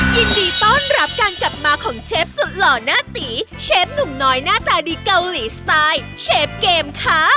ยินดีต้อนรับการกลับมาของเชฟสุดหล่อหน้าตีเชฟหนุ่มน้อยหน้าตาดีเกาหลีสไตล์เชฟเกมค่ะ